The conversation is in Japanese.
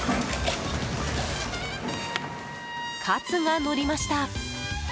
カツがのりました。